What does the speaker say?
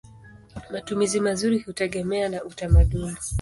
Matumizi mazuri hutegemea na utamaduni.